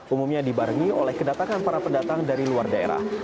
umumnya dibarengi oleh kedatangan para pendatang dari luar daerah